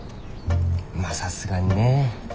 まあさすがにね。